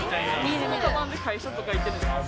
このかばんで会社とかにも行ってます。